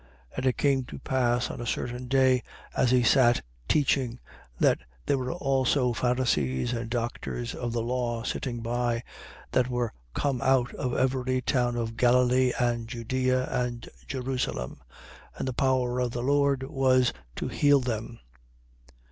5:17. And it came to pass on a certain day, as he sat teaching, that there were also Pharisees and doctors of the law sitting by, that were come out of every town of Galilee and Judea and Jerusalem: and the power of the Lord was to heal them.